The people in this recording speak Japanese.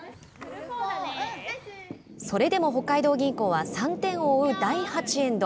それでも北海道銀行は３点を追う第８エンド。